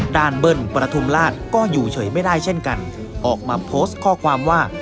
เบิ้ลประทุมราชก็อยู่เฉยไม่ได้เช่นกันออกมาโพสต์ข้อความว่า